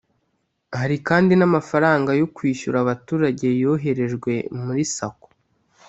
Hari kandi n amafaranga yo kwishyura abaturage yoherejwe kuri Sacco